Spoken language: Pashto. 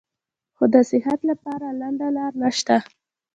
خو د صحت له پاره لنډه لار نشته -